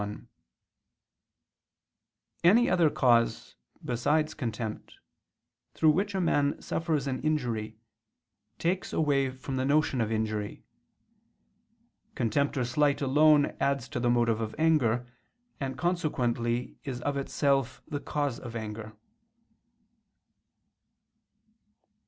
1: Any other cause, besides contempt, through which a man suffers an injury, takes away from the notion of injury: contempt or slight alone adds to the motive of anger, and consequently is of itself the cause of anger.